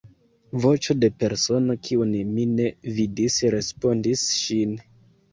Voĉo de persono, kiun mi ne vidis, respondis ŝin.